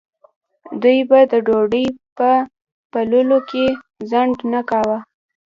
دوی به د ډوډۍ په پیلولو کې ځنډ نه کاوه.